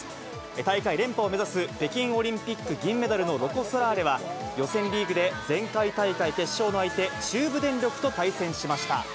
大会連覇を目指す北京オリンピック銀メダルのロコ・ソラーレは、予選リーグで前回大会決勝の相手、中部電力と対戦しました。